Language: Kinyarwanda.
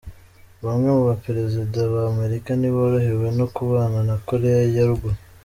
Bamwe mu ba perezida ba Amerika ntiborohewe no kubana na Koreya ya Ruguru.